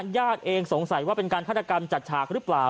ญาติเองสงสัยว่าเป็นการฆาตกรรมจัดฉากหรือเปล่า